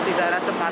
di daerah jepang